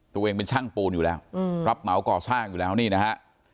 ตัวเองเป็นช่างปูนอยู่แล้วรับเหมาก่อสร้างอยู่แล้วนี่นะฮะ